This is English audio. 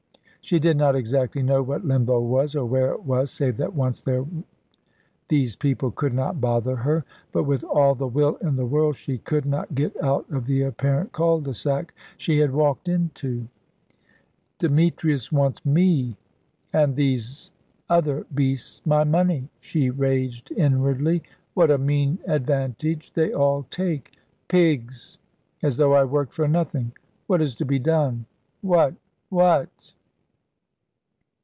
She did not exactly know what Limbo was, or where it was, save that once there these people could not bother her. But with all the will in the world she could not get out of the apparent cul de sac she had walked into. "Demetrius wants me, and these other beasts my money," she raged inwardly. "What a mean advantage they all take! Pigs! As though I worked for nothing. What is to be done? What what?"